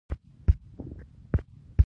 هغې یوه کمپله زما په سر را واچوله